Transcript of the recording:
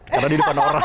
karena di depan orang